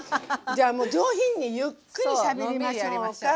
じゃあもう上品にゆっくりしゃべりましょうか。